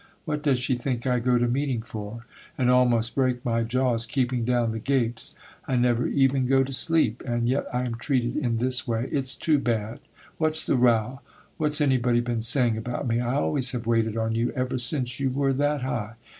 What does she think I go to meeting for, and almost break my jaws keeping down the gapes? I never even go to sleep, and yet I am treated in this way! It's too bad! What's the row? What's anybody been saying about me? I always have waited on you ever since you were that high.